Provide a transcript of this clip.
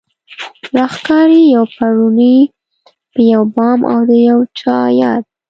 راښکاري يو پړونی په يو بام او د چا ياد